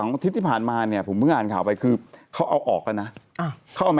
เงินเหลืออยู่ในนั้นด้วยใช่ไหมที่เดียวกันใช่ไหม